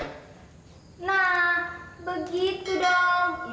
nah begitu dong